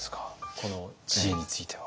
この知恵については。